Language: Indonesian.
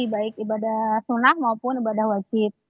baik ibadah sunnah maupun ibadah wajib